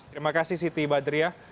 terima kasih siti badriah